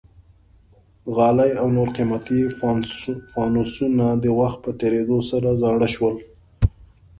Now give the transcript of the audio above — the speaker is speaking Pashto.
غالۍ او نور قیمتي فانوسونه د وخت په تېرېدو سره زاړه شول.